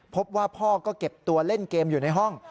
พบว่าพ่อก็เก็บตัวเล่นเกมอยู่ในห้อง